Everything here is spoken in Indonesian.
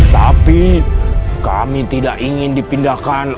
tapi kami tidak ingin dipindahkan